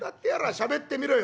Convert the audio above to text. しゃべってみろよ」。